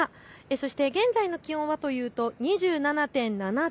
そして現在の気温はというと２７．７度。